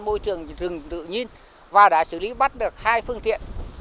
môi trường rừng tự nhiên và đã xử lý bắt được hai phương tiện